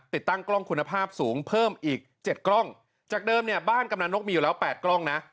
ติดตั้งกล้องคุณภาพสูงเพิ่มอีกเจ็ดกล้องจากเดิมเนี่ยบ้านกำลังนกมีอยู่แล้วแปดกล้องนะ